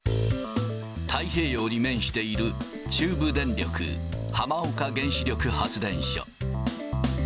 太平洋に面している中部電力浜岡原子力発電所。